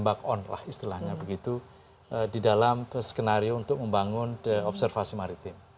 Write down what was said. jadi kalau kita ada yang tidak yakin kita harus perhatikan itu di dalam skenario untuk membangun observasi maritim